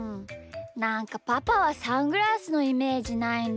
なんかパパはサングラスのイメージないんだよなあ。